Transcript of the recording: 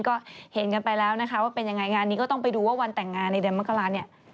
ก็เห็นกันไปแล้วนะคะว่าเป็นยังไงงานนี้ก็ต้องไปดูว่าวันแต่งงานในเดือนมกราเนี่ย